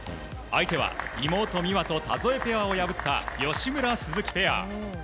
相手は妹・美和と田添ペアを破った吉村、鈴木ペア。